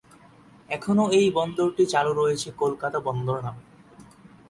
এখনও এই বন্দরটি চালু রয়েছে কলকাতা বন্দর নামে।